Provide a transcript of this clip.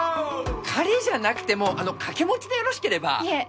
彼じゃなくても掛け持ちでよろしければいえ